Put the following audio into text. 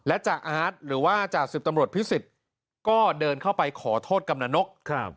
และจ่าอาร์ตหรือว่าจ่าสิบตำรวจพิสิทธิ์ก็เดินเข้าไปขอโทษกำนันนก